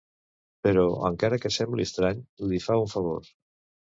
Però, encara que sembli estrany, li fa un favor.